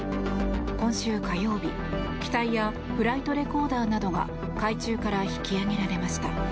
今週火曜日、機体やフライトレコーダーなどが海中から引き揚げられました。